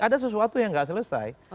ada sesuatu yang nggak selesai